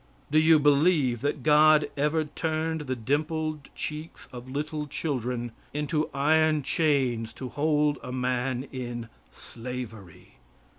Do you believe that God ever turned the dimpled cheeks of little children into iron chains to hold a man in slavery?